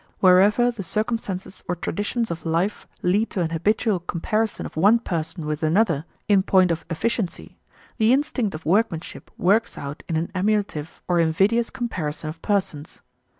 Wherever the circumstances or traditions of life lead to an habitual comparison of one person with another in point of efficiency, the instinct of workmanship works out in an emulative or invidious comparison of persons.